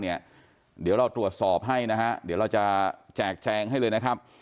เดี๋ยวเราตรวจสอบให้นะฮะเดี๋ยวเราจะแจกแจงให้เลยนะครับ